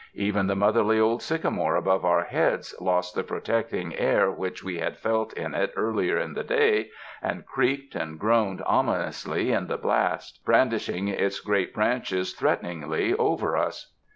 Even the motherly old sycamore above our heads lost the pro tecting air which we had felt in it earlier in the day, and creaked and groaned ominously in the blast, brandishing its great branches threateningly over us.